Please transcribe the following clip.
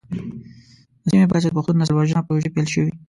د سیمې په کچه د پښتون نسل وژنه پروژې پيل شوې.